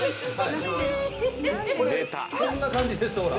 こんな感じですほら。